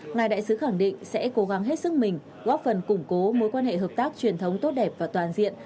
ngài đại sứ khẳng định sẽ cố gắng hết sức mình góp phần củng cố mối quan hệ hợp tác truyền thống tốt đẹp và toàn diện